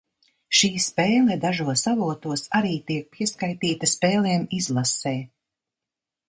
Šī spēle dažos avotos arī tiek pieskaitīta spēlēm izlasē.